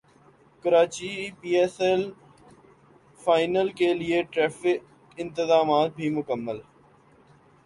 Karachi P S L final کیلئے traffic انتظامات بھی مکمل